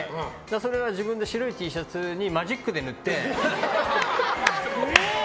それは白いＴシャツでマジックで塗って。